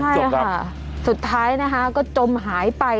ใช่ค่ะสุดท้ายนะคะก็จมหายไป